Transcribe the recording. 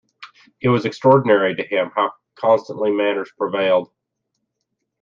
It was extraordinary to him how constantly manners prevailed.